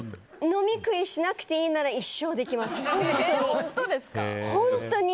飲み食いしなくていいなら一生できます、本当に。